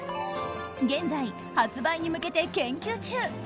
現在、発売に向けて研究中。